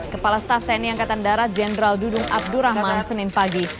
kepala staf tni angkatan darat jenderal dudung abdurrahman senin pagi